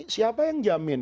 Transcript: siapa yang jamin